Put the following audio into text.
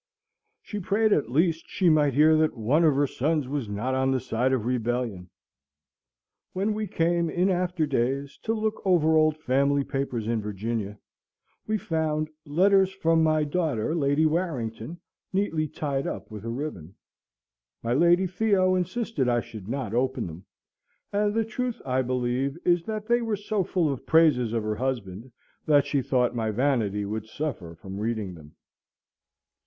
She prayed, at least, she might hear that one of her sons was not on the side of rebellion. When we came, in after days, to look over old family papers in Virginia, we found "Letters from my daughter Lady Warrington," neatly tied up with a ribbon. My Lady Theo insisted I should not open them; and the truth, I believe, is, that they were so full of praises of her husband that she thought my vanity would suffer from reading them.